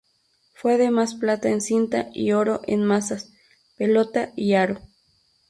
Fue además plata en cinta y oro en mazas, pelota y aro.